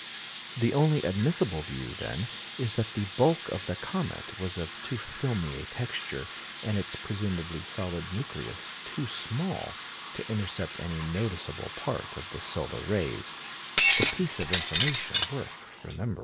The only admissible view, then, is that the bulk of the comet was of too filmy a texture, and its presumably solid nucleus too small, to intercept any noticeable part of the solar rays a piece of information worth remembering.